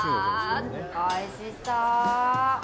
おいしそ！